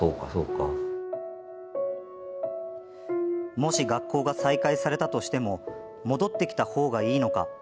もし、学校が再開されたとしても戻ってきた方がいいのか。